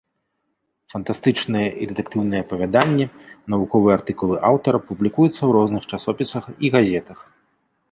Фантастычныя і дэтэктыўныя апавяданні, навуковыя артыкулы аўтара публікуюцца ў розных часопісах і газетах.